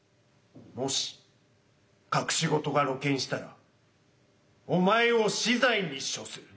もし隠し事が露見したらお前を死罪に処する。